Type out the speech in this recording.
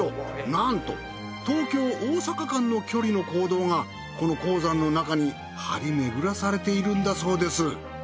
なんと東京大阪間の距離の坑道がこの鉱山の中に張り巡らされているんだそうです。